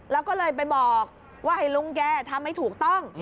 แล้วก็เลยไปบอกว่าให้ลุงแกทำให้ถูกต้อง